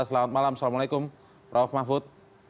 selamat malam assalamualaikum prof mahfud